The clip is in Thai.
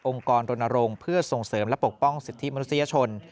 รณรงค์เพื่อส่งเสริมและปกป้องสิทธิมนุษยชน